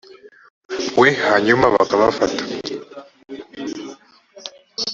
we h hanyuma bakabafata